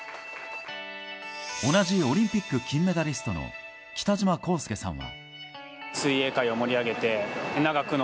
同じオリンピック金メダリストの北島康介さんは。